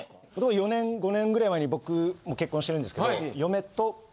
４年５年ぐらい前に僕もう結婚してるんですけど。